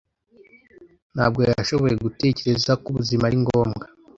Ntabwo yashoboye gutekereza ko ubuzima ari ngombwa.